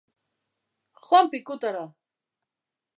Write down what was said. Joan pikutara!